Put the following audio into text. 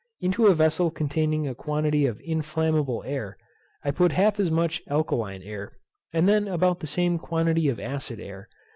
Into a vessel containing a quantity of inflammable air, I put half as much alkaline air, and then about the same quantity of acid air.